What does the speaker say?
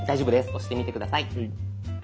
押してみて下さい。